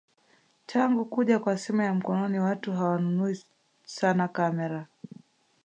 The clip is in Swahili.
Tangu kuja kwa simu ya mkononi watu hawanunui sana kamera